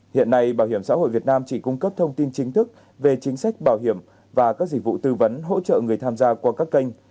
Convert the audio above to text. hiện nay bảo hiểm xã hội việt nam chỉ cung cấp thông tin chính thức về chính sách bảo hiểm và các dịch vụ tư vấn hỗ trợ người tham gia qua các kênh